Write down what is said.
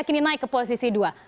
kini naik ke posisi dua